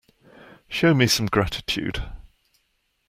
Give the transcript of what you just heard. Show me some gratitude.